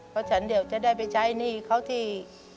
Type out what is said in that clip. เพราะฉันเดี๋ยวจะได้ไปใช้หนี้เขาที่